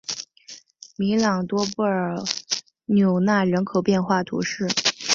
米朗多布尔纽纳人口变化图示